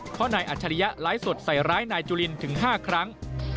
เพราะนายอัจฉริยะไลฟ์สดใส่ร้ายนายจุลินถึง๕ครั้ง